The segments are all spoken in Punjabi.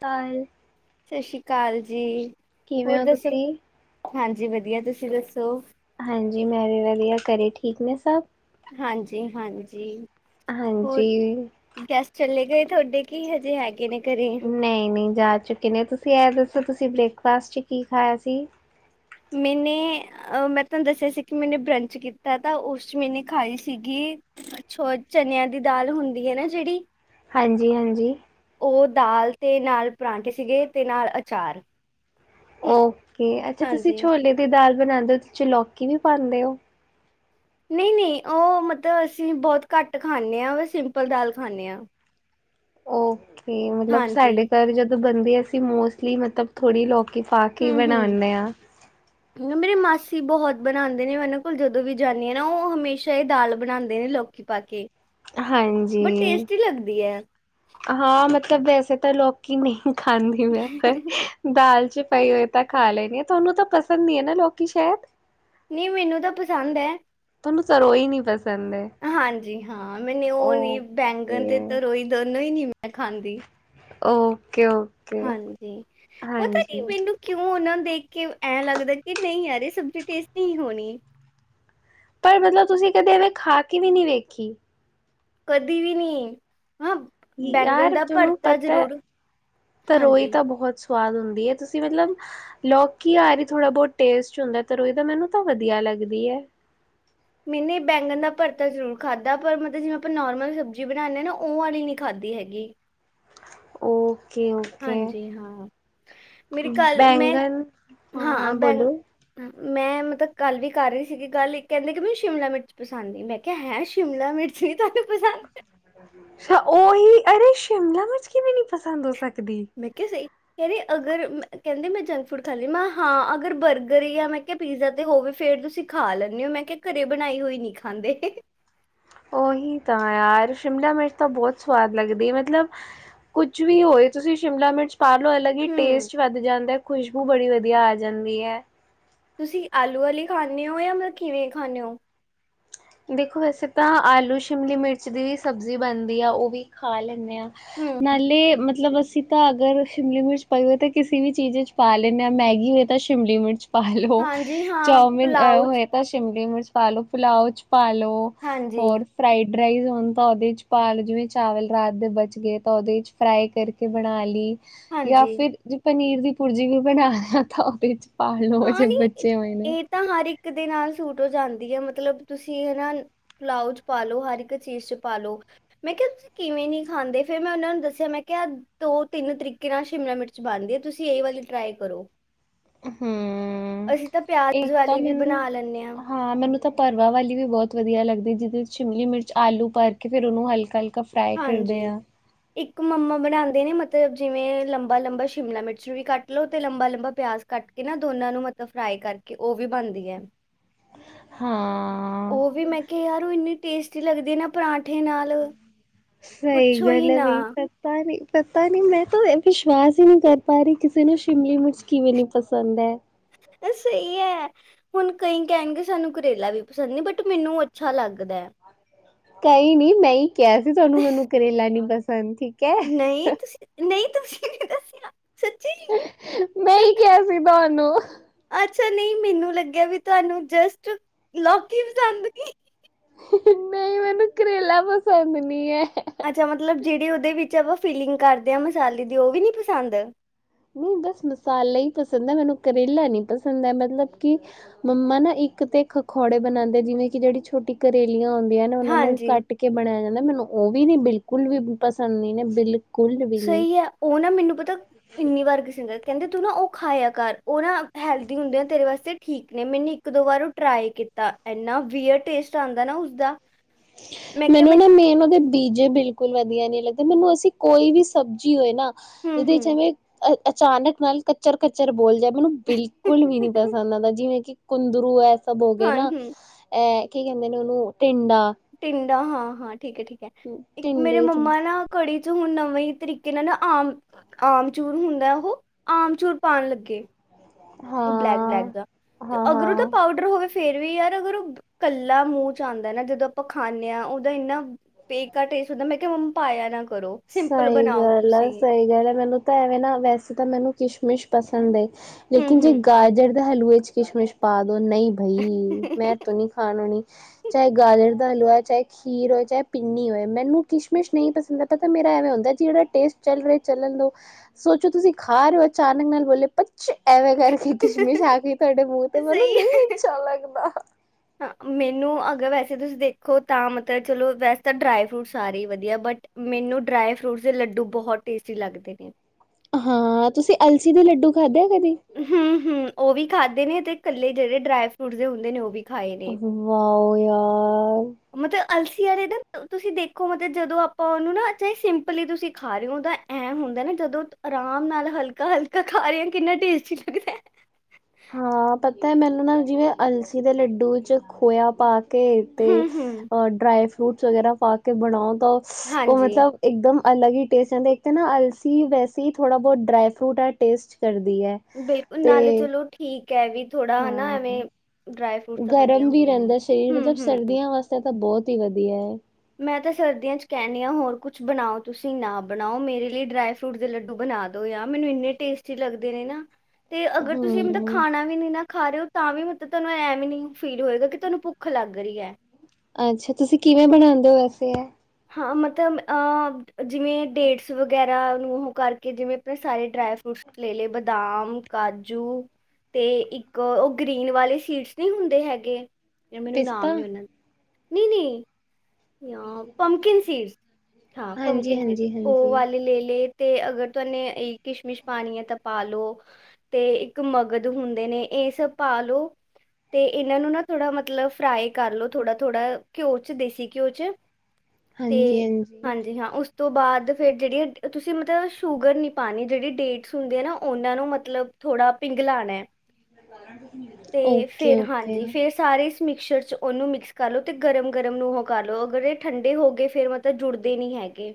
ਤਾਂਈ ਸਸ ਸ਼੍ਰੀ ਕਾਲ ਜੀ, ਹੋਰ ਕਿਵੇਂ ਹੋ ਦੱਸੋ, ਤੁਸੀਂ? ਹਾਂਜੀ ਵਧੀਆ ਤੁਸੀਂ ਦੱਸੋਂ? ਹਾਂਜੀ, ਮੈਂ ਵੀ ਵਧੀਆ, ਘਰੇ ਠੀਕ ਨੇ ਸਭ? ਹਾਂਜੀ ਹਾਂਜੀ। ਹਾਂਜੀ ਗੈਸਟ ਚੱਲੇ ਗਏ ਤੁਹਾਡੇ ਕੁ ਹਜੇ ਹੈਗੇ ਨੇ ਘਰੇ? ਨਈਹੀਂ ਨਈ ਜਾ ਚੁੱਕੇ ਨੇ ਤੁਸੀਂ ਇਹ ਦੱਸੋ ਤੁਸੀਂ ਬ੍ਰੇਕਫਾਸਟ 'ਚ ਕੀ ਖਾਇਆ ਸੀ। ਮੈਨੇ ਅ ਅਹ ਮੈਂ ਤੁਹਾਨੂੰ ਦੱਸਿਆ ਸੀ ਕਿ ਮੈਨੇ ਬਰੰਚ ਕੀਤਾ ਤਾਂ ਉਸ ਚ ਮੈਨੇ ਖਾਈ ਸੀਗੀ ਅੱਛਾ ਓ ਚਨਿਆਂ ਦੀ ਦਾਲ ਹੁੰਦੀ ਹੈ ਨਾ ਜਿਹੜੀ ਹਾਂਜੀ ਹਾਂਜੀ ਓ ਦਾਲ ਤੇ ਨਾਲ ਪਰਾਂਠੇ ਸੀਗੇ ਤੇ ਨਾਲ ਅਚਾਰ। ਓਕੇ, ਅੱਛਾ ਤੁਸੀਂ ਹਾਂਜੀ। ਛੋਲੇ ਦੀ ਦਾਲ ਬਣਾਉਂਦੇ ਓ ਉਸ ਚ ਚਲੌਕੀ ਵੀ ਪਾਉਦੇ ਓ? ਨੀ-ਨੀ ਉਹ ਮਤਲਬ ਅਸੀਂ ਬਹੁਤ ਘੱਟ ਖਾਂਨੇ ਆ ਸਿੰਪਲ ਦਾਲ ਖਾਂਨੇ ਆ। ਓਕੇ ਮਤਲਬ ਹਾਂਜੀ, ਸਾਡੇ ਘਰ ਜਦੋਂ ਬੰਦੀ ਅਸੀਂ ਮੋਸਟਲੀ ਮਤਲਬ ਥੋੜੀ ਲੋਕ ਕੇ ਪਾ ਕੇ ਹੂੰ-ਹੂੰ। ਬਣਾਉਦੇ ਆ। [inaudible] ਮੇਰੇ ਮਾਸੀ ਬਹੁਤ ਬਣਾਉਂਦੇ ਨੇ ਮੈਂ ਉਹਨਾਂ ਕੋਲ ਜਦੋਂ ਵੀ ਜਾਂਦੀ ਹਾਂ ਨਾ ਉਹ ਹਮੇਸ਼ਾ ਇਹ ਦਾਲ ਬਣਾਉਂਦੇ ਨੇ ਲੋਕ ਪੀ ਪਾ ਕੇ ਹਾਂਜੀ ਬਟ ਟੇਸਟੀ ਲੱਗਦੀ ਹੈ ਹਾਂ ਮਤਲਬ ਵੈਸੇ ਤਾਂ ਲੋਕੀ ਨਹੀਂ ਖਾਂਦੀ ਮੈਂ ਤੇ। ਦਾਲ ਚ ਪਾਈ ਹੋਏ ਤਾਂ ਖਾ ਲੈਈ ਦੀ ਐ ਤੁਹਾਨੂੰ ਤਾਂ ਪਸੰਦ ਨ ਹੈ ਨਾ ਲੋਕੀ ਸ਼ਾਇਦ? ਨੀ, ਮੈਨੂੰ ਤਾਂ ਪਸੰਦ ਆ। ਤਾਨੂੰ ਸਰੋਂ ਹੀ ਨੀ ਪਸੰਦ ਐ। ਹਾਂਜੀ ਹਾਂ ਮੈਨੂੰ ਉਹ ਨੀ ਬੈਂਗਣ ਤੇ ਓਕੇ ਤਰੋਈ ਦੋਨੋਂ ਹੀ ਨੀ ਮੈਂ ਖਾਂਦੀ। ਓਕੇ ਓ ਹਾਂਜੀ ਪਤਾ ਕੀਐ ਮੈਨੂੰ। ਕਿ ਉਹਨਾਂ ਨੂੰ ਦੇਖ ਕੇ ਐਂ ਲੱਗਦਾ ਕਿ ਨਹੀਂ ਯਾਰ ਸਬਜ਼ੀ ਟੇਸਟ ਨਹੀਂ ਹੋਣੀ ਤਾਂ ਹੀ ਮਤਲਬ ਤੁਸੀਂ ਕਦੇ ਐਵੇਂ ਖਾ ਕੇ ਵੀ ਨਹੀਂ ਵੇਖੀ। ਕਦੀ ਵੀ ਨਹੀਂ ਬੈਂਗਣ ਯਾਰ ਦਾ ਤੈਨੂੰ ਭਰਤਾ ਪਤਾ ਐ। ਜ਼ਰੂਰ ਤਰੋਈ ਹਾਂਜੀ ਤਾਂ ਬਹੁਤ ਸਵਾਦ ਹੁੰਦੀ ਹੈ ਤੁਸੀਂ ਮਤਲਬ ਲਕੀ ਆਹੀ ਥੋੜਾ ਬਹੁਤ ਟੇਸਟ ਹੁੰਦਾ ਤਰੋਈ ਤਾ ਮੈਨੂੰ ਤਾਂ ਵਧੀਆ ਲੱਗਦੀ ਐ। ਮੈਨੇ ਬੈਂਗਣ ਦਾ ਪਰਰਤਾ ਜ਼ਰੂਰ ਖਾਧਾ ਪਰ ਮਤਲਬ ਜਿਵੇਂ ਆਪਾਂ ਨੋਰਮਲ ਸਬਜ਼ੀ ਬਣਾਉਂਦੇ ਹਾਂ ਨਾ ਉਹ ਵਾਲੀ ਨਹੀਂ ਖਾਧੀ ਹੈਗੀ। ਉਹ ਓਕੇ ਓਕੇ ਹਾਂਜੀ ਹਾਂ ਮੇਰੀ ਕੱਲ ਮੈਂ ਬੈਂਗਨ ਹਾਂ ਬੋਲੋ ਮੈਂ ਮਤਲਬ ਕੱਲ ਵੀ ਕਰ ਰਹੀ ਸੀਗੀ ਗੱਲ ਇੱਕ ਕਹਿੰਦੇ ਕਿ ਮੈਨੂੰ ਸ਼ਿਮਲਾ ਮਿਰਚ ਪਸੰਦ ਸੀ ਮੈਂ। ਕ ਹੈ ਸ਼ਿਮਲਾ ਮਿਰਚ ਵੀ ਤੁਹਾਨੂੰ ਪਸੰਦ ਅੱਛਾ ਉਹੀ ਅਰੇ ਸ਼ਿਮਲਾ ਮਿਰਚ ਕਿਵੇਂ ਨੀ ਪਸੰਦ ਹੋ ਸਕਦੀ। ਕਿ ਸਹੀ ਕਹਿਰੀ ਅਗਰ ਮੈਂ ਕਹਿੰਦੀ ਮੈਂ ਜੰਕ ਫੂਡ ਖਾਂਦੀ ਮੈਂ ਹਾਂ ਅਗਰ ਬਰਗਰ ਯਾ ਮੈਂ ਕਿਹਾ ਪੀਜ਼ਾ ਤੇ ਹੋਵੇ ਫੇਰ ਤੁਸੀਂ ਖਾ ਲੈਂਦੇ ਹੋ ਮੈਂ ਕਿਹਾ ਘਰੇ ਬਣਾਈ ਹੋਈ ਨੀ ਖਾਂਦੇ। ਉਹੀ ਤਾਂ ਯਾਰ ਸ਼ਿਮਲਾ ਮਿਰਚ ਤਾਂ ਬਹੁਤ ਸਵਾਦ ਲੱਗਦੀ ਮਤਲਬ ਕੁੱਝ ਵੀ ਹੋਏ ਤੁਸੀਂ ਸ਼ਿਮਲਾ ਮਿਰਚ ਪਾ ਲਓ ਅਲਗ ਹੂੰ ਟੇਸਟ ਵੱਧ ਜਾਂਦਾ ਹੈ ਖੁਸ਼ਬੂ ਬੜੀ ਵਧੀਆ ਆ ਜਾਂਦੀ ਹੈ। ਤੁਸੀਂ ਆਲੂ ਵਾਲੇ ਖਾਂਦੇ ਹੋ ਜਾਂ ਮਤਲਬ ਕਿਵੇਂ ਖਾਂਦੇ ਹੋ। ਦੇਖੋ ਵੈਸੇ ਤਾਂ ਆਲੂ ਸ਼ਿਮਲੀ ਮਿਰਚ ਦੀ ਵੀ ਸਬਜ਼ੀ ਬਣਦੀ ਆ ਉਹ ਵੀ ਖਾ ਲੈਂਦੇ ਹਾਂ। ਹੂੰ ਨਾਲੇ ਮਤਲਬ ਅਸੀਂ ਤਾਂ ਅਗਰ ਸ਼ਿਮਲੀ ਮਿਰਚ ਪਾਈ ਹੋਏ ਤਾਂ ਕਿਸੇ ਵੀ ਚੀਜ਼ ਵਿਚ ਪਾ ਲੈਂਦੇ ਹਾਂ ਮੈਗੀ ਹੋਏ ਤਾਂ ਸ਼ਿਮਲੀ ਮਿਰਚ ਪਾ ਲਓ ਹਾਂਜੀ ਹਾਂ ਚਾਮਿਨ ਅਹ ਪੁਲਾਓ ਚ ਹੋਏ ਤਾਂ ਸ਼ਿਮਲੀ ਮਿਰਚ ਪਾ ਲੋ ਪੁਲਾਓ ਚ ਪਾ ਲ ਲੋ ਹਾਂਜੀ ਹੋਰ ਫਰਾਈਡ ਰਾਈਸ ਹੋਣ ਤਾਂ ਉਹਦੇ 'ਚ ਪਾ ਲਓ ਜਿਵੇਂ ਚਾਵਲ ਰਾਤ ਦੇ ਬਚ ਗਏ ਤਾਂ ਉਹਦੇ 'ਚ ਫਰਾਈ ਕਰਕੇ ਬਣਾ ਲਈ। ਜਾਂ ਹਾਂਜੀ ਫਿਰ ਜੇ ਪਨੀਰ ਦੀ ਭੁਰਜੀ ਵੀ ਬਣਾ ਰਿਹਾ ਉਹਦੇ ਚ ਪ ਲੋੋ ਹਾਂ ਜੇ ਨਹੀਂ ਬੱਚੇ ਹੋਏ ਨੇ। ਇਹ ਤਾਂ ਹਰ ਇੱਕ ਦੇ ਨਾਲ ਸੂਟ ਹੋ ਜਾਂਦੀ ਹੈ ਮਤਲਬ ਤੁਸੀਂ ਹਨਾ ਬਲਾਊਜ ਪਾਲੋ, ਹਰ ਇੱਕ ਚੀਜ਼ ਚ ਪਾਲੋ। ਮੈਂ ਕਿਹਾ ਕਿਵੇਂ ਨੀ ਖਾਂਦੇ। ਫਿਰ ਮੈਂ ਓਨਾਂ ਨੂੰ ਦੱਸਿਆ, ਮੈਂ ਕਿਹਾ ਦੋ ਤਿੰਨ ਤਰੀਕੇ ਨਾਲ ਸ਼ਿਮਲਾ ਮਿਰਚ ਬਣਦੀ ਏ, ਤੁਸੀਂ ਏ ਵਾਲੀ ਟ੍ਰਾਈ ਕਰੋ। ਹੂੰ। ਅਸੀਂ ਤਾਂ ਪਿਆਜ਼ ਇੱਕ ਤਾਂ ਵਾਲੀ ਵੀ ਮੈਨੂੰ ਬਣਾ ਲੈਂਦੇ ਆਂ। ਹਾਂ ਮੈਨੂੰ ਤਾਂ ਭਰਵਾਂ ਵਾਲੀ ਵੀ ਬਹੁਤ ਵਧੀਆ ਲੱਗਦੀ, ਜਿਹਦੇ ਵਿੱਚ ਸ਼ਿਮਲੀ ਮਿਰਚ ਆਲੂ ਭਰ ਕੇ ਫਿਰ ਉਹਨੂੰ ਹਲਕਾ-ਹਲਕਾ ਫਰਾਈ ਕਰਦੇ ਹਾਂਜੀ ਆਂ। ਇੱਕ ਮੰਮਾ ਬਣਾਂਦੇ ਨੇ ਮਤਲਬ ਜਿਵੇਂ ਲੰਬਾ-ਲੰਬਾ ਸ਼ਿਮਲਾ ਮਿਰਚ ਵੀ ਕੱਟ ਲੋ ਤੇ ਲੰਬਾ-ਲੰਬਾ ਪਿਆਜ਼ ਕੱਟ ਤੇ ਨਾ ਦੋਨਾਂ ਨੂੰ ਮਤਲਬ ਫਰਾਈ ਕਰਕੇ, ਓ ਵੀ ਬਣਦੀ ਐ। ਹਾਂ। ਓ ਵੀ ਮੈਂ ਕਿਹਾ ਯਾਰ, ਉਹ ਇੰਨੀ ਟੇਸਟੀ ਲੱਗਦੀ ਨਾ ਪਰਾਂਠੇ ਨਾਲ, ਸਹੀ ਪੁੱਛੋ ਹੀ ਗੱਲ ਹੈ ਨਾ। ਬਈ ਪਤਾ ਨੀ, ਪਤਾ ਨੀ ਮੈਂ ਤੋ ਵਿਸ਼ਵਾਸ ਹੀ ਨਹੀਂ ਕਰ ਪਾ ਰਹੀ, ਕਿਸੇ ਨੂੰ ਸ਼ਿਮਲੀ ਮਿਰਚ ਕਿਵੇਂ ਨੀ ਪਸੰਦ ਐ। ਬੱਸ ਇਹ ਐ ਹੁਣ ਕਈ ਕਹਿਣਗੇ ਸਾਨੂੰ ਕਰੇਲਾ ਵੀ ਪਸੰਦ ਨੀਂ, ਬਟ ਮੈਨੂੰ ਅੱਛਾ ਲੱਗਦੈ। ਕਈ ਨੀ, ਮੈਂ ਹੀ ਕਿਹਾ ਸੀ ਤੁਹਾਨੂੰ ਮੈਨੂੰ ਕਰੇਲਾ ਨੀ ਪਸੰਦ, ਠੀਕ ਐ। ਨਹੀਂ, ਤੁਸੀਂ ਨਹੀਂ, ਤੁਸੀਂ ਨਹੀਂ ਦੱਸਿਆ। ਸੱਚੀ ਮੈਂ ਹੀ ਕਿਹਾ ਸੀ ਤੁਹਾਨੂੰ। ਅੱਛਾ, ਨਹੀਂ ਮੈਨੂੰ ਲੱਗਿਆ ਵੀ ਤੁਹਾਨੂੰ ਜਸਟ ਲੋਕੀ ਪਸੰਦ ਨੀਂ। ਨਹੀਂ ਮੈਨੂੰ ਕਰੇਲਾ ਪਸੰਦ ਨੀ ਐ। ਅੱਛਾ ਮਤਲਬ ਜਿਹੜੀ ਉਹਦੇ ਵਿੱਚ ਆਪਾਂ ਫੀਲਿੰਗ ਕਰਦੇ ਆਂ ਮਸਾਲੇ ਦੀ, ਓ ਵੀ ਨੀ ਪਸੰਦ। ਨਹੀਂ ਬਸ ਮਸਾਲਾ ਹੀ ਪਸੰਦ ਐ, ਮੈਨੂੰ ਕਰੇਲਾ ਨੀਂ ਪਸੰਦ ਐ ਮਤਲਬ ਕਿ ਮੰਮਾ ਨਾ ਇੱਕ ਤੇ ਇਕ ਅਖੌੜੇ ਬਣਾਉਂਦੇ, ਜਿਵੇਂ ਕਿ ਜਿਹੜੀ ਛੋਟੀ ਕਰੇਲੀਆਂ ਹੁੰਦੀਆਂ। ਓਨਾਂ ਨੂੰ ਹਾਂਜੀ ਕੱਟ ਕੇ ਬਣਾਇਆ ਨਾ, ਮੈਨੂੰ ਉਹ ਵੀ ਨੀ ਬਿਲਕੁਲ ਵੀ ਪਸੰਦ ਨਹੀਂ ਨਾ, ਬਿਲਕੁਲ ਵੀ ਨੀ ਸਹੀ ਐ। ਓ ਨਾ ਮੈਨੂੰ ਪਤਾ, ਇੰਨੀ ਵਾਰ ਕਿਸੇ ਨੇ ਕੈਂਦੇ ਤੂੰ ਨਾ ਓ ਖਾਇਆ ਕਰ ਓ ਨਾ ਹੈਲਦੀ ਹੁੰਦੇ ਆ ਤੇਰੇ ਵਾਸਤੇ ਠੀਕ ਨੇ ਮੈਨੇ ਇੱਕ ਦੋ ਵਾਰ ਓ ਟ ਟ੍ਰਾਈ ਕੀਤਾ ਇੰਨਾ ਵੀਅਡ ਟੇਸਟ ਆਂਦੈ ਨਾ ਉਸਦਾ। ਮੈਂ ਕਿਹਾ ਮੈਨੂੰ ਮੈਂ ਨਾ ਮੇਨ ਓਦੇ ਪੀਜੇ ਬਿਲਕੁਲ ਵਦੀਆ ਨੀ ਲੱਗਦੇ ਮੈਨੂੰ ਐਸੀ ਕੋਈ ਵੀ ਸਬਜ਼ੀ ਹੋਏ ਨਾ, ਹੂੰ ਜਿਦੇ ਹੂੰ ਚ ਐਵੇਂ ਅ ਅਚਾਨਕ ਨਾਲ ਕੱਚਰ-ਕੱਚਰ ਬੋਲਦੈ ਮੈਨੂੰ ਬਿਲਕੁਲ ਵੀ ਨੀ ਪਸੰਦ ਆਂਦਾ ਜਿਵੇਂ ਕੀ ਕੁੰਦਰੂ ਐ ਸਬ ਹੋ ਗਏ ਹਾਂ ਨਾ, ਹੂੰ ਐ ਕੀ ਕੈਂਦੇ ਨੇ ਓਨੂੰ ਟਿੰਡਾ ਟਿੰਡਾਂ ਹਾਂ-ਹਾਂ ਠੀਕ ਐ-ਠੀਕ ਐ, ਇੱਕ ਮੇਰੇ ਟਿੰਡੇ ਚ ਮੰਮਾ ਨਾ ਕੜੀ ਹੁਨ ਨਵੇਂ ਈ ਤਰੀਕੇ ਨਾਲ ਨਾ ਆਮ ਆਮਚੂਰ ਹੁੰਦਾ ਓਹੋ, ਆਮਚੂਰ ਪਾਨ ਲੱਗੇ। ਓ ਹਾਂ ਬਲੈਕ-ਬਲੈਕ ਜਾ, ਤੇ ਹਾਂ ਅਗਰ ਓਦਾ ਹਾਂ ਪਾਊਡਰ ਹੋਵੇ ਫੇਰ ਵੀ ਐ ਅਗਰ ਓ ਕੱਲਾ ਮੂੰਹ ਚ ਆਂਦੈ ਨਾ ਜਦੋਂ ਆਪਾਂ ਖਾਂਨੇ ਆਂ ਓਦੋਂ ਇੰਨਾ ਬੇਕਾਰ ਟੇਸਟ ਹੁੰਦਾ ਮੈਂ ਕਿਆ ਮੰਮਾ ਪਾਏਆ ਨਾ ਕਰੋ, ਸਿੰਪਲ ਬਨਾਓ ਤੁਸੀਂ। ਸਈ ਗੱਲ ਐ ਮੈਨੂੰ ਤਾਂ ਐਵੇਂ ਨਾ ਵੈਸੇ ਤਾਂ ਮੈਨੂੰ ਕਿਸ਼ਮਿਸ਼ ਪਸੰਦ ਏ ਹੂੰ ਲੇਕਿਨ ਜੇ ਹੂੰ ਗਾਜਰ ਦੇ ਹਲਵੇ ਚ ਕਿਸ਼ਮਿਸ਼ ਪਾ ਦੋ ਨਈ ਬਈ ਮੈਂ ਤੋ ਨੀ ਖਾਨ ਹੋਨੀ, ਚਏ ਗਾਜਰ ਦਾ ਹਲਵਾ, ਚਾਏ ਖੀਰ ਹੋਏ, ਚਾਏ ਪਿੰਨੀ ਹੋਏ ਮੈਨੂੰ ਕਿਸ਼ਮਿਸ਼ ਨਈ ਪਸੰਦ। ਪਤਾ ਮੇਰਾ ਐਵੇਂ ਹੁੰਦੈ ਜੇੜਾ ਟੇਸਟ ਚੱਲ ਰਿਐ ਚੱਲਨ ਦੋ। ਸੋਚੋ ਤੁਸੀਂ ਖਾ ਰਏ ਓਂ ਅਚਾਨਕ ਨਾਲ ਬੋਲੇ ਪੱਚੇ ਐਵੇਂ ਕਰਕੇ। ਕਿਸ਼ਮਿਸ਼ ਆ ਗਈ ਤੁਆਡੇ ਮੂੰਹ ਤੇ ਮੈਨੂੰ ਸਹੀ ਨਈ ਹੈ ਅੱਛਾ ਲੱਗਦਾ। ਮੈਨੂੰ ਅਗਰ ਵੈਸੇ ਤੁਸੀਂ ਦੇਖੋ ਤਾਂ ਮਤਲਬ ਚਲੋ ਵੈਸੇ ਤਾਂ ਡਰਾਈ ਫਰੂਟ ਸਾਰੇ ਹੀ ਵਦੀਆ ਬਟ ਮੈਨੂੰ ਡਰਾਏ ਫਰੂਟਸ ਦੇ ਲੱਡੂ ਬਹੋਤ ਟੇਸਟੀ ਲੱਗਦੇ ਨੇ। ਹਾਂ, ਤੁਸੀਂ ਅਲਸੀ ਦੇ ਲੱਡੂ ਖਾਦੈ ਐ ਕਦੀ। ਹੂੰ-ਹੰ, ਓ ਵੀ ਖਾਦੇ ਨੇ ਤੇ ਕੱਲੇ ਜੇੜੇ ਡਰਾਏ ਫਰੂਟ ਦੇ ਹੁੰਦੇ ਨੇ ਓ ਵੀ। ਖਾਏ ਨੇ ਓਹੋ ਵਾਓ ਯਾਰ। ਮਤਲਬ ਅਲਸੀ ਆਲੇ ਨਾ, ਤੁਸੀਂ ਦੇਖੋ ਮਤਲਬ ਜਦੋਂ ਆਪਾਂ ਓਨੂੰ ਨਾ ਚਾਏ ਸਿੰਪਲ ਈ ਤੁਸੀਂ ਖਾ ਰਏ ਓ ਤਾਂ ਐਂ ਹੁੰਦਾ ਨਾ ਜਦੋਂ ਤੁ ਆਰਾਮ ਨਾਲ ਹਲਕਾ-ਹਲਕਾ ਖਾ ਰੇ ਆਂ ਕਿੰਨਾ ਟੇਸਟੀ ਲੱਗਦੈ। ਹਾਂ ਪਤੈ ਮੈਨੂੰ ਨਾ ਜਿਵੇਂ ਅਲਸੀ ਦੇ ਲੱਡੂ ਵਿੱਚ ਖੋਇਆ ਪਾ ਕੇ ਤੇ ਹੂੰ ਹੂੰ ਅ ਡਰਾਈ ਫਰੂਟਸ ਵਗੈਰਾ ਪਾ ਕੇ ਬਨਾਓ ਤਾਂ ਸ ਓ ਹਾਂਜੀ ਮਤਲਬ ਇਕਦਮ ਅਲਗ ਈ ਟੇਸਟ ਆਂਦੈ ਦੇਖਦੇ ਨਾ ਅਲਸੀ ਵੈਸੇ ਈ ਥੋੜਾ ਬੋਤ ਡਰਾਈ ਫਰੂਟ ਆ ਟੇਸਟ ਕਰਦੀ ਐ। ਬਿਲਕੁਲ ਨਾਲੇ ਚਲੋ ਠੀਕ ਐ ਵੀ ਥੋੜਾ ਹਨਾ ਹਾਂ ਐਵੇਂ ਡਰਾਈ ਫਰੂਟਸ ਤਾਂ ਵਧੀਆ ਗਰਮ ਵੀ ਹੁੰਦੇ ਨੇ ਰੈਂਦਾ ਸਰੀਰ ਹੂੰ ਮਤਲਬ ਹੂੰ ਸਰਦੀਆਂ ਵਾਸਤੇ ਤਾਂ ਬੋਤ ਈ ਵਦੀਐ। ਮੈਂ ਤਾਂ ਸਰਦੀਆਂ ਚ ਕੈਂਨੀ ਆਂ ਹੋਰ ਕੁਛ ਬਨਾਓ ਤੁਸੀਂ ਨਾ ਬਨਾਓ ਮੇਰੇ ਲਈ ਡਰਾਈ ਫਰੂਟ ਦੇ ਲੱਡੂ ਬਨਾ ਦੋ ਯਾ ਮੈਨੂੰ ਇੰਨੇ ਟੇਸਟੀ ਲੱਗਦੇ ਨੇ ਨਾ, ਤੇ ਅਗਰ ਤੁਸੀਂ ਮਤਲਬ ਹਮ ਖਾਨਾ ਵੀ ਨੀ ਨਾ ਖਾ ਰਏ ਓਂ ਤਾਂ ਵੀ ਮਤਲਬ ਤਾਨੂੰ ਐਂ ਵੀ ਨੀ ਫੀਲ ਹੋਏਗਾ ਤਾਨੂੰ ਭੁੱਖ ਲੱਗ ਰਈ ਐ। ਅੱਛਾ ਤੁਸੀਂ ਕਿਵੇਂ ਬਨਾਂਦੇ ਓ ਵੈਸੇ ਐਹ ਹਾਂ ਮਤਲਬ ਅ ਜਿਵੇਂ ਡੇਟਸ ਵਗੈ ਰਾ ਨੂੰ ਓਹ ਕਰਕੇ ਜਿਵੇਂ ਆਪਨੇ ਸਾਰੇ ਡਰਾਏ ਫਰੂਟਸ ਲੈ ਲਏ ਬਦਾਮ, ਕਾਜੂ ਤੇ ਇੱਕ ਓ ਗ੍ਰੀਨ ਵਾਲੇ ਸੀਡਸ ਨੀ ਹੁੰਦੇ ਹੈਗੇ ਯਾਰ ਮੈਨੂੰ ਨਾਮ ਪਿਸਤਾ ਨੀ ਓਨਾ ਦਾ ਨਈ-ਨਈ ਜਾਂ ਪੰਪਕਿਨ ਸੀਡਸ, ਹਾਂ ਹਾਂਜੀ ਪੰਪਕਿਨ ਸੀਡ, ਹਾਂਜੀ ਓ ਹਾਂਜੀ ਵਾਲੇ ਲੇ ਲੇ ਤੇ ਅਗਰ ਤੁਆਨੇ ਏਈ ਕਿਸ਼ਮਿਸ਼ ਪਾਨੀ ਐ ਤਾਂ ਪਾਲੋ। ਤੇ ਇੱਕ ਮਗਦ ਹੁੰਦੇ ਨੇ ਏ ਸਬ ਪਾ ਲੋ। ਤੇ ਏਨਾਂ ਨੂੰ ਨਾ ਥੋੜ੍ਹਾ ਮਤਲਬ ਫਰਾਈ ਕਰ ਲੋ ਥੋੜਾ-ਥੋੜ੍ਹਾ ਘਿਓ ਚ ਦੇਸੀ ਘਿਓ ਚ ਤੇ ਹਾਂਜੀ ਹਾਂ ਉਸ ਤੋਂ ਬਾਦ ਫਿਰ ਜੇੜੀਆ ਤੁਸੀਂ ਮਤਲਬ ਸ਼ੂਗਰ ਨੀ ਪਾਨੀ ਜੇੜੀ ਡੇਟਸ ਹੁੰਦੇ ਐ ਨਾ ਓਨਾਂ ਨੂੰ ਮਤਲਬ ਥੋੜਾ ਪਿੰਗਲਾਨੈ ਤੇ ਓਕੇ ਫੇਰ ਓਕੇ ਹਾਂਜੀ ਫੇਰ ਸਾਰੇ ਇਸ ਮਿਕਸਰ 'ਚ, ਉਹਨੂੰ ਮਿਕਸ ਕਰ ਲੋ ਤੇ ਗਰਮ-ਗਰਮ ਨੂੰ ਹੋ ਕਰ ਲਓ, ਅਗਰ ਇਹ ਠੰਡੇ ਹੋਗੇ, ਫੇਰ ਮਤਲਬ ਜੁੜਦੇ ਨੀ ਹੈਗੇ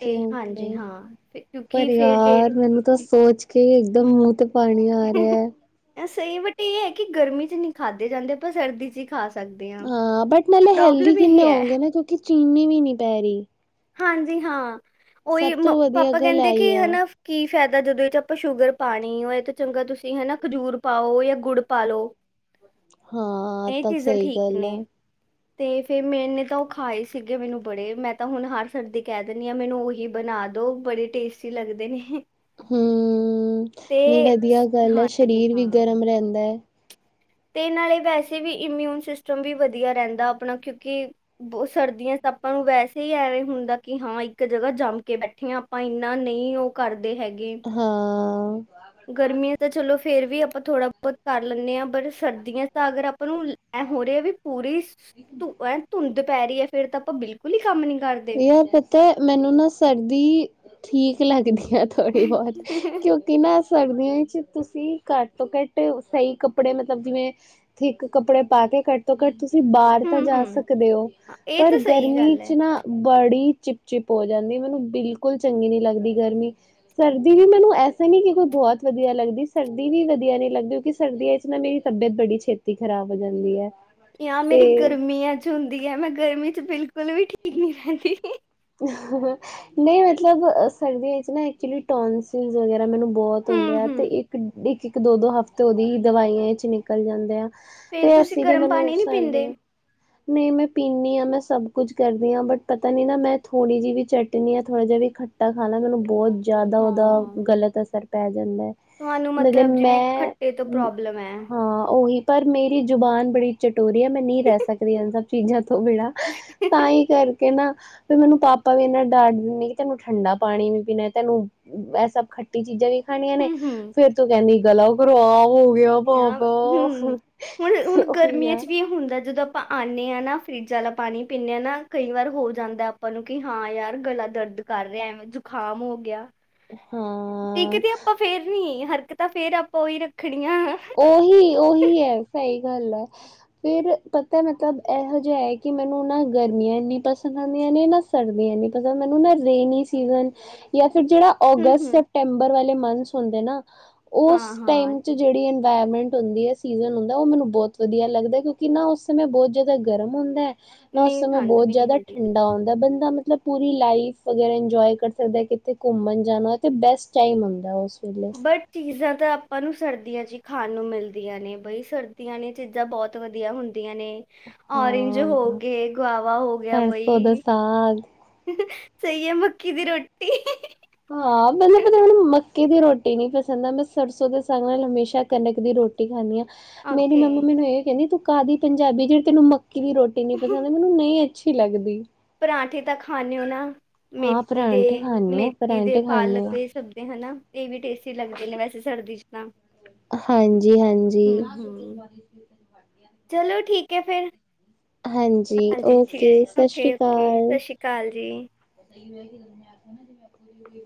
ਤੇ ਹਾਂਜੀ ਹਾਂ ਫੇ ਕਿਉਂਕਿ ਪਰ ਫੇਰ ਡੇ ਯਾਰ ਮੈਨੂੰ ਤਾਂ ਸ ਸੋਚ ਕੇ ਇੱਕਦਮ ਮੂੰਹ ਤੇ ਪਾਣੀ ਆ ਰਿਹਾ ਐ ਸਹੀ, ਬਟ ਇਹ ਏ ਕਿ ਗਰਮੀ 'ਚ ਨੀ ਖਾਧੇ ਜਾਂਦੇ, ਪਰ ਸਰਦੀ 'ਚ ਹੀ ਖਾਸ ਹਾਂ, ਬਟ ਨਾਲੇ ਹੈਲਦੀ ਕਿੰਨੇ ਹੈ ਹੁੰਦੇ ਨੇ, ਕਿਉਂਕਿ ਚੀਨੀ ਵੀ ਨੀ ਪੈ ਰਹੀ। ਹਾਂਜੀ ਹਾਂ, ਉਹੀ ਸਭ ਮ ਤੋਂ ਵਧੀਆ ਪਾਪਾ ਗੱਲ ਕਹਿੰਦੇ ਆਈ ਕਿ ਆ ਹੈਨਾ ਕੀ ਫਾਇਦਾ, ਜਦੋਂ ਇਹ 'ਚ ਆਪਾਂ ਸ਼ੂਗਰ ਪਾਂਣੀਓ, ਇਹ ਤੋ ਚੰਗਾ ਤੁਸੀਂ ਹੈਨਾ, ਖਜੂਰ ਪਾਓ ਜਾਂ ਗੁੜ ਪਾ ਲੋ ਹਾਂ ਇਹ ਤਾਂ ਚੀਜ਼ਾਂ ਸਹੀ ਠੀਕ ਗੱਲ ਨੇ। ਹੈ। ਤੇ ਫੇਰ ਮੈਨੇ ਤੋਂ ਉਹ ਖਾਏ ਸੀਗੇ, ਮੈਨੂੰ ਬੜੇ ਮੈਂ ਤਾਂ ਹੁਣ ਹਰ ਸਰਦੀ ਕਹਿ ਦਿੰਦੀ ਆਂ, ਮੈਨੂੰ ਉਹੀ ਬਣਾ ਦੋ, ਬੜੇ ਟੇਸਟੀ ਲੱਗਦੇ ਨੇ। ਹੂੰ, ਤੇ ਨਈ ਵਧੀਆ ਗੱਲ ਐ, ਹਾਂਜੀ ਸਰੀਰ ਵੀ ਹਾਂ। ਗਰਮ ਰਹਿੰਦਾ ਐ। ਤੇ ਨਾਲੇ ਵੈਸੇ ਵੀ ਇਮਿਊਨ ਸਿਸਟਮ ਵੀ ਵਧੀਆ ਰਹਿੰਦਾ ਆਪਣਾ, ਕਿਉਂਕਿ ਸਰਦੀਆਂ 'ਚ ਆਪਾਂ ਨੂੰ ਵੈਸੇ ਈ ਐਵੇਂ ਹੁੰਦਾ ਕਿ ਹਾਂ ਇੱਕ ਜਗ੍ਹਾ ਜੰਮ ਕੇ ਬੈਠੇ ਆ ਭਾਏ ਇੰਨਾ ਨਹੀਂ ਉਹ ਕਰਦੇ ਹੈਗੇ ਹਾਂ। ਗਰਮੀਆਂ ਤਾਂ ਚਲੋ ਫੇਰ ਵੀ ਆਪਾਂ ਥੋੜ੍ਹਾ ਬਹੁਤ ਕਰ ਲੈਂਦੇ ਆ, ਪਰ ਸਰ ਤਾਂ ਅਗਰ ਆਪਾਂ ਨੂੰ ਐ ਹੋ ਰਿਹਾ ਵੀ, ਪੂਰੀ ਧ ਐਨ ਧੁੰਦ ਪੈ ਰਹੀ ਏ ਫਿਰ ਤਾਂ ਆਪਾਂ ਬਿਲਕੁਲ ਈ ਕੰਮ ਨੀ ਕਰਦੇ ਯਾਰ ਪਤਾ, ਮੈਨੂੰ ਨਾ ਸਰਦੀ ਠੀਕ ਲੱਗਦੀ ਐ ਥੋੜ੍ਹੀ ਬਹੁਤ, ਕਿਉਂ ਕਿ ਮੈਂ ਸਰਦੀਆਂ 'ਚ ਤੁਸੀਂ ਘੱਟ ਤੋਂ ਘੱਟ ਸਹੀ ਕੱਪੜੇ, ਮਤਲਬ ਜਿਵੇਂ ਥੀਕ ਕੱਪੜੇ ਪਾ ਕੇ ਘਟ ਤੋਂ ਘੱਟ ਤੁਸੀਂ ਬਾਹਰ ਤਾਂ ਹੂੰ ਜਾ ਹੂੰ ਸਕਦੇ ਓ, ਹਾਂ, ਇਹ ਪਰ ਤਾਂ ਸਹੀ ਗਰਮੀ ਗੱਲ 'ਚ ਹੈ ਨਾ ਬੜੀ ਚਿਪ-ਚਿਪ ਹੋ ਜਾਂਦੀ, ਮੈਨੂੰ ਬਿਲਕੁਲ ਚੰਗੀ ਨੀ ਲੱਗਦੀ ਗਰਮੀ ਸਰਦੀ ਵੀ ਮੈਨੂੰ ਐਸਾ ਨੀ ਕਿ ਕੋਈ ਬਹੁਤ ਵਧੀਆ ਲੱਗਦੀ, ਸਰਦੀ ਵੀ ਵਧੀਆ ਨੀ ਲੱਗਦੀ, ਕਿਸ ਸਰਦੀਆਂ 'ਚ ਨਾ ਮੇਰੀ ਤਬੀਅਤ ਬੜੀ ਛੇਤੀ ਖ਼ਰਾਬ ਹੋ ਜਾਂਦੀ ਐ। ਯਾ ਮੇਰੀ ਗਰਮੀਆਂ 'ਚ ਹੁੰਦੀ ਐ, ਮੈਂ ਗਰਮੀ 'ਚ ਬਿਲਕੁਲ ਵੀ ਠੀਕ ਨੀ ਰਹਿੰਦੀ ਨਹੀਂ ਮਤਲਬ ਸਰਦੀਆਂ 'ਚ ਨਾ ਐਕਚੁਲੀ ਟੋਂਸ ਟਿਜ਼ ਵਗੈਰਾ ਮੈਨੂੰ ਬਹੁਤ ਹੁੰਦੇ ਹੂੰ ਆ ਹੂੰ ਤੇ ਇ ਇੱਕ-ਇੱਕ, ਦੋ-ਦੋ ਹਫ਼ਤੇ ਉਹਦੀ ਹੀ ਦਵਾਈਆਂ 'ਚ ਨਿਕਲ ਜਾਂਦੇ ਆ ਫੇਰ ਤੇ ਤੁਸੀਂ ਅਸੀ ਤੇ ਗਰਮ ਮਲਬ ਪਾਣੀ ਨਹੀਂ ਸਾਈਡ ਦੇ ਪੀਂਦੇ? ਨਹੀਂ ਮੈਂ ਪੀਂਨੀ ਆ, ਮੈਂ ਸਭ ਕੁਝ ਕਰਦੀ ਆ, ਬਟ ਪਤਾ ਨੀ ਨਾ ਮੈਂ ਥੋੜ੍ਹੀ ਜਿਹੀ ਵੀ ਚਟਨੀ ਯਾਂ ਥੋੜਾ ਜਿਹਾ ਵੀ ਖੱਟਾ ਖਾ ਲਾ, ਮੈਨੂੰ ਬਹੁਤ ਜ਼ਿਆਦਾ ਉਹਦਾ ਹਾਂ। ਗਲਤ ਅਸਰ ਪੈ ਜਾਂਦਾ ਤੁਹਾਨੂੰ ਮਤਲਬ ਜਿਵੇਂ ਮੈਂ, ਖੱਟੇ ਤੋਂ ਪ੍ਰੋਬਲਮ ਹੈ। ਹਾਂ ਉਹੀ। ਪਰ ਮੇਰੀ ਜ਼ੁਬਾਨ ਬੜੀ ਚਟੋਰੀ ਐ, ਮੈਂ ਨਹੀਂ ਰਹਿ ਸਕਦੀ ਇਹ ਸਭ ਚੀਜ਼ਾਂ ਤੋਂ ਬਿਣਾ ਤਾਂ ਈ ਕਰਕੇ ਨਾ ਫੇ ਮੈਨੂੰ ਪਾਪਾ ਵੀ ਇੰਨਾ ਡਾਟ ਦਿੰਦੇ ਕਿ, ਤੈਨੂੰ ਠੰਡਾ ਪਾਣੀ ਵੀ ਪੀਣਾ, ਤੈਨੂੰ ਇਹ ਸਭ ਖੱ ਖੱਟੀ ਚੀਜ਼ਾਂ ਵੀ ਖਾਣੀਆਂ ਨੇ, ਹੂੰ-ਹੂੰ ਫੇਰ ਤੂੰ ਕਹਿੰਨੀ ਗਲਾ ਖ਼ਰਾਬ ਹੋ ਗਿਆ ਪਾਪਾ ਹਮ, ਹੁਣ-ਹੁਣ ਉਹੀ ਗਰਮੀਆਂ ਆ 'ਚ ਵੀ ਇਹ ਹੁੰਦਾ ਜਦੋਂ ਆਪਾਂ ਆਂਨੇ ਆ ਨਾ, ਫਰਿੱਜ਼ ਆਲਾ ਪਾਣੀ ਪੀਂਨੇ ਆ ਨਾ, ਕਈ ਵਾਰ ਹੋ ਜਾਂਦਾ ਆਪਾਂ ਨੂੰ ਕਿ ਹਾਂ ਯਾਰ ਗਲਾ ਦਰਦ ਕਰ ਰਿਹਾ ਐ, ਜ਼ੁਕਾਮ ਹੋ ਗਿਆ ਹਾਂ ਟਿੱਕਦੇ ਆਪਾਂ ਫੇਰ ਨੀ, ਹਰਕਤਾਂ ਫੇਰ ਆਪਾਂ ਉਹੀ ਰੱਖਣੀਆਂ ਉਹੀ-ਉਹੀ ਐ, ਸਹੀ ਗੱਲ ਐ। ਫੇਰ ਪਤਾ ਮਤਲਬ ਇਹੋ ਜਿਆ ਐ ਕਿ ਮੈਨੂੰ ਨਾ ਗਰਮੀਆਂ ਇੰਨੀ ਪਸੰਦ ਆਂਦੀਆਂ ਨੇ ਨਾ ਸਰਦੀਆਂ ਨੀ ਪਸੰਦ, ਮੈਨੂੰ ਨਾ ਰੇਨੀ ਸੀਜ਼ਨ ਯਾ ਫਿਰ ਜੇੜਾ ਅਗਸ ਹੂੰ-ਹੂੰ। ਸੈਪਟੈਂਬਰ ਵਾਲੇ ਮੰਥਸ ਹੁੰਦੇ ਨਾ ਓਸ ਹਾਂ-ਹਾਂ ਟਾਈਮ ਚ ਜੇੜੀ ਵਾਰਮੈਂਟ ਹੁੰਦੀ ਐ, ਸੀਜ਼ਨ ਹੁੰਦਾ ਐ ਓ ਮੈਨੂੰ ਬੌਤ ਵਧੀਆ ਲੱਗਦਾ ਕਿਉਂਕਿ ਨਾ ਓਸ ਸਮੇਂ ਬਉਤ ਜ਼ਿਆਦਾ ਗਰਮ ਹੁੰਦਾ ਐ। ਨਾ ਨੀ ਉਸ ਸਮੇਂ ਠੰਡ ਬੌਤ ਵੀ ਨੀ ਜ਼ਿਆਦਾ ਹੁੰਦੀ। ਠੰਡਾ ਹੁੰਦੈ ਬੰਦਾ ਮ ਮਤਲਬ ਪੂਰੀ ਲਾਈਫ ਵਗੈਰਾ ਇੰਜੋਏ ਕਰ ਸਕਦੈ ਕਿੱਥੇ ਘੁੰਮਣ ਜਾਣਾ ਤੇ ਬੈਸਟ ਟਾਈਮ ਹੁੰਦੈ ਓਸ ਬਟ ਚੀਜ਼ਾਂ ਤਾਂ ਆਪਾਂ ਨੂੰ ਸਰਦੀਆਂ ਚ ਈ ਖਾਣ ਨੂੰ ਮਿਲਦੀਆਂ ਨੇ ਬਈ ਸਰਦੀਆਂ ਨੇ ਚੀਜ਼ਾਂ ਬੌਤ ਵਧੀਆ ਹੁੰਦੀਆਂ ਨੇ। ਔਰੇਂਜ ਹੋ ਹਾਂ ਗੇ, ਗੋਆਵਾ ਹੋ ਗਿਆ ਸਰਸੋਂ ਦਾ ਬਈ। ਸਾਗ ਸਈ ਐ ਮੱਕੀ ਦੀ ਰੋਟੀ ਹਾਂ ਮਤਲਬ ਪਤਾ ਹੁਣ ਮੱਕੀ ਦੀ ਰੋਟੀ ਨੀ ਪਸੰਦ ਆ ਮੈਂ ਸਰਸੋਂ ਦੇ ਸਾਗ ਨਾਲ ਹਮੇਸ਼ਾ ਕਣਕ ਦੀ ਰੋਟ ਖਾਨੀ ਆ ਮੇਰੀ ਓਕੇ ਮੰਮੀ ਮੈਨੂੰ ਏ ਕੈਂਦੀ ਤੂੰ ਕਾਦੀ ਪੰਜਾਬੀ ਜੇੜੀ ਤੈਨੂੰ ਮਕ ਕਿ ਰੋਟੀ ਨੀ ਪਕਾਣੀ ਮੈਨੂੰ ਨਈ ਅੱਛੀ ਲੱਗਦੀ ਪਰਾਂਠੇ ਤਾਂ ਖਾਨੇ ਓ ਨਾ। ਹਾਂ ਮੇਥੀ ਦੇ, ਪਰਾਂਠੇ ਖਾਂਦੇ ਹਾਂ ਮੇਥੀ ਦੇ, ਪਰਾਂਠੇ ਖਾਂਦੇ ਪਾਲਕ ਹਾਂ ਏ ਸਭ ਦੇ ਹਨਾ ਏ ਵੀ ਟੇਸਟੀ ਲੱਗਦੇ ਨੇ ਵੈਸੇ ਸਰਦੀ ਚ ਤਾਂ ਹਾਂਜੀ, ਹਾਂਜੀ। ਹੂੰ ਹੂੰ ਚਲੋ, ਠੀਕ ਐ ਫੇਰ। ਹਾਂਜੀ ਓਕੇ ਠੀਕ ਸਤਿ ਓਕੇ, ਓਕੇ ਸਾਸ਼੍ਰੀਕਾਲ ਜੀ। ਸਹੀ ਹੋਗੀ। [unintelligible]